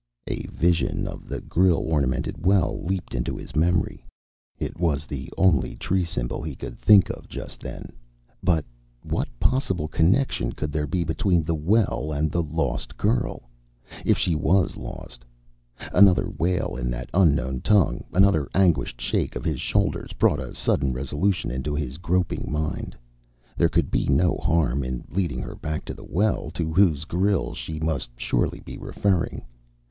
A vision of the grille ornamented well leaped into his memory. It was the only tree symbol he could think of just then. But what possible connection could there be between the well and the lost girl if she was lost? Another wail in that unknown tongue, another anguished shake of his shoulders, brought a sudden resolution into his groping mind. There could be no harm in leading her back to the well, to whose grille she must surely be referring.